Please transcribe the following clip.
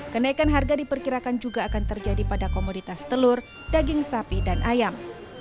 kenaikan harga diperkirakan juga akan terjadi pada komoditas telur daging sapi dan ayam